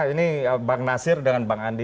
ini bang nasir dengan bang andi